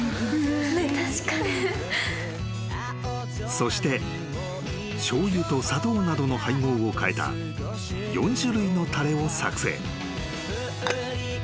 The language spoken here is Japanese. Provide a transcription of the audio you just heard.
［そしてしょうゆと砂糖などの配合を変えた４種類のたれを作成］